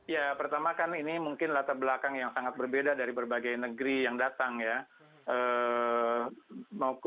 ya pertama kan ini mungkin latar belakang yang sangat berbeda dari berbagai negeri yang datang ya